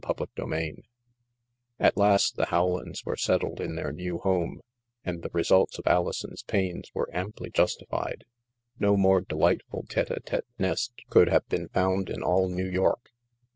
CHAPTER II At last the Howlands were settled in their new home, and the results of Alison's pains were amply justified. No more deHghtful tete a tete nest could have been found in all New York.